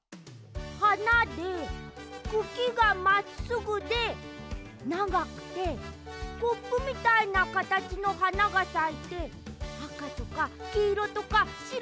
はなでくきがまっすぐでながくてコップみたいなかたちのはながさいてあかとかきいろとかしろがあって。